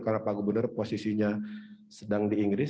karena pak gubernur posisinya sedang di inggris